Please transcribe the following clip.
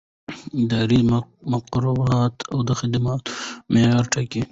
اداري مقررات د خدمت د معیار ټاکي.